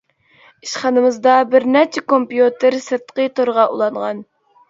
ئىشخانىمىزدا بىر نەچچە كومپيۇتېر سىرتقى تورغا ئۇلانغان.